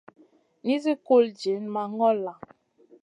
Nizi kul diyna ma ŋola.